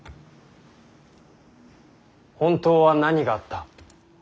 本当は何があった。